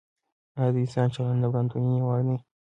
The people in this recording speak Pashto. آیا د انسان چلند د وړاندوینې وړ دی؟